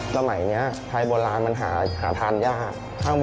สมัยนี้ไทยโบราณมันหาทานยาก